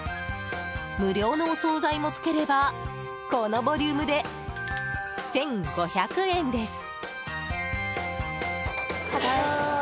無料のお総菜も付ければこのボリュームで１５００円です。